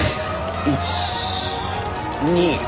１２。